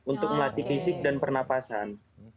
untuk melatih fisik dan pernapasan